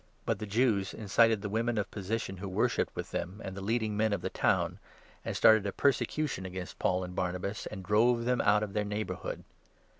But the Jews incited the 50 women of position who worshipped with them, and the leading men of the town, and started a persecution against Paul and Barnabas, and drove them out of their neighbour hood.